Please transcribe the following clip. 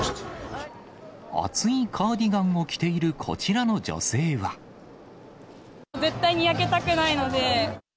厚いカーディガンを着ている絶対に焼けたくないので。